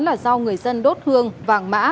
là do người dân đốt hương vàng mã